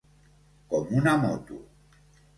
Com una moto.